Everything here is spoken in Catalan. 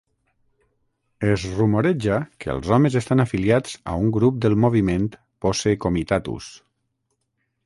Es rumoreja que els homes estan afiliats a un grup del moviment Posse Comitatus.